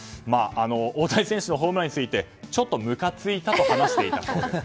大谷選手のホームランについてちょっとむかついたと話していたと。